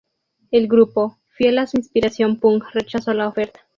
El grupo, fiel a su inspiración punk, rechazó la oferta.